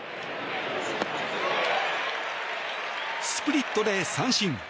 スプリットで三振。